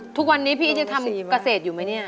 ทุกวันนี้พี่อีทยังทำเกษตรอยู่ไหมเนี่ย